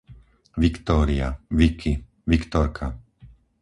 Viktória, Viki, Viktorka